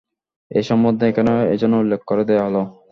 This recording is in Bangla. এ সম্বন্ধে এখানে এজন্য উল্লেখ করে দেয়া হল।